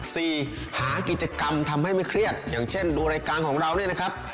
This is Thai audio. หากิจกรรมทำให้ไม่เครียดอย่างเช่นดูรายการของเราเนี่ยนะครับ